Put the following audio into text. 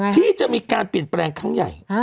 ที่จะมีการเปลี่ยนแปลงครั้งใหญ่